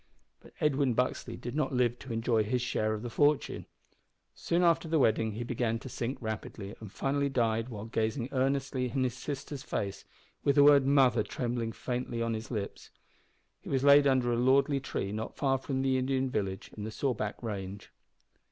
But Edwin Buxley did not live to enjoy his share of the fortune. Soon after the wedding he began to sink rapidly, and finally died while gazing earnestly in his sister's face, with the word "mother" trembling faintly on his lips. He was laid under a lordly tree not far from the Indian village in the Sawback range.